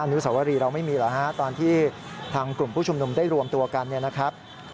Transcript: นุสวรีเราไม่มีเหรอฮะตอนที่ทางกลุ่มผู้ชุมนุมได้รวมตัวกันเนี่ยนะครับ